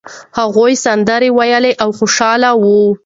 هغوی سندرې ویلې او خوشاله وو.